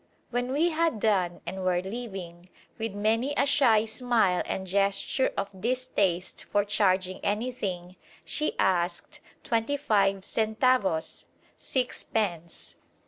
When we had done and were leaving, with many a shy smile and gesture of distaste for charging anything, she asked ... twenty five centavos sixpence!